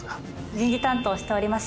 人事担当をしております